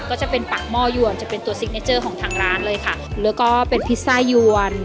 ก็จะเป็นปากหม้อยวนจะเป็นตัวซิกเนเจอร์ของทางร้านเลยค่ะแล้วก็เป็นพิซซ่ายวน